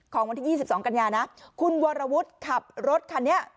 วันที่๒๒กันยานะคุณวรวุฒิขับรถคันนี้